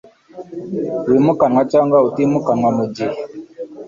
wimukanwa cyanwa utimukanwa mu gihe